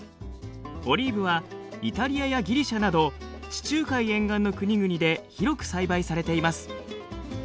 オリーブはイタリアやギリシャなど地中海沿岸の国々で広く栽培されています。